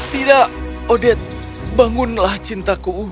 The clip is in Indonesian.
tidak odette bangunlah cintaku